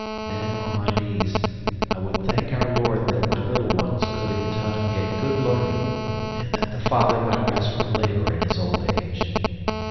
Then, on my knees, I would thank our Lord that my little ones could in time get good learning, and that the father might rest from labor in his old age.